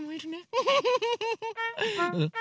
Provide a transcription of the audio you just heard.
ウフフフフ。